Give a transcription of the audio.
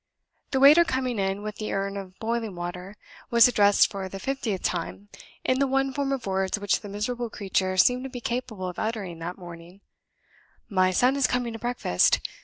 The waiter coming in, with the urn of boiling water, was addressed for the fiftieth time in the one form of words which the miserable creature seemed to be capable of uttering that morning: "My son is coming to breakfast.